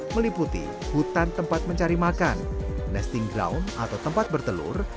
meliputi hutan tempat mencari makan nesting ground atau tempat bertelur